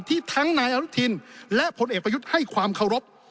ทั้งนายอนุทินและผลเอกประยุทธ์ให้ความเคารพ